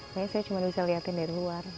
makanya saya cuma bisa liatin dari luar